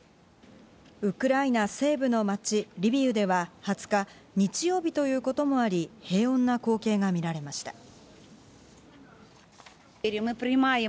ウクライナ西部の街リビウでは２０日日曜日ということもあり平穏な光景が見られました。